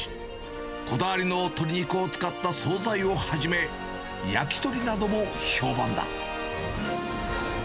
こだわりの鶏肉を使った総菜をはじめ、焼き鳥なども評判だ。